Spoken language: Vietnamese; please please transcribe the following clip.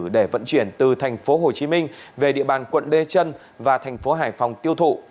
để vận chuyển từ tp hồ chí minh về địa bàn quận lê trân và tp hải phòng tiêu thụ